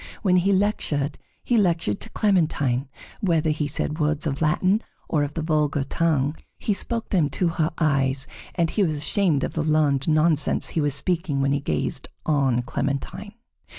When he lectured, he lectured to Clementine; whether he said words of Latin or of the vulgar tongue, he spoke them to her eyes; and he was ashamed of the learned nonsense he was speaking when he gazed on Clementine.